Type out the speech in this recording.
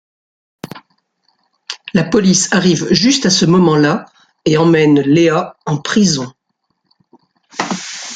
La police arrive juste à ce moment-là et emmène Léa en prison.